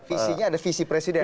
visinya ada visi presiden